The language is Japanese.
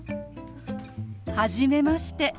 はじめまして。